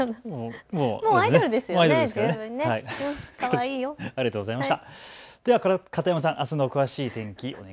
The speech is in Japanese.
もうアイドルですよね。